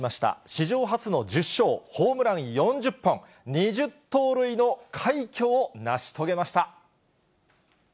史上初の１０勝、ホームラン４０本、２０盗塁の快挙を成し遂げました。